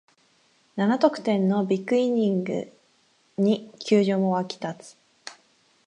七得点のビッグイニングに球場も沸き立つ